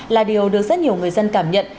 là điều được rất nhiều người dân cảm nhận